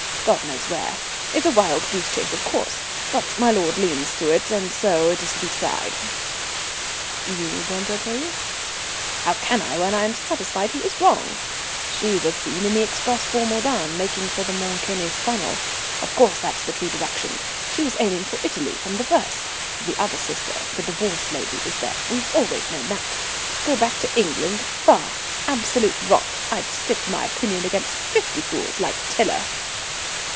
God knows where. It's a wild goose chase, of course; but my lord leans to it, and so it is to be tried." "You don't agree?" "How can I when I'm satisfied he's wrong? She was seen in the express for Modane, making for the Mont Cenis tunnel. Of course that's the true direction. She was aiming for Italy from the first; the other sister, the divorced lady, is there; we've always known that. Go back to England! Bah! absolute rot. I'd stick to my opinion against fifty fools like Tiler."